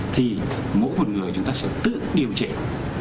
thì mỗi một người chúng ta sẽ tự điều trị